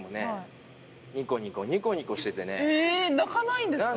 え泣かないんですか。